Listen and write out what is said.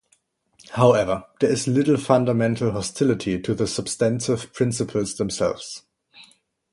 However, there is little fundamental hostility to the substantive principles themselves.